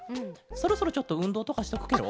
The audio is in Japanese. そろそろちょっとうんどうとかしとくケロ？